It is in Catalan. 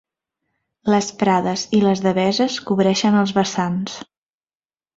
Les prades i les deveses cobreixen els vessants.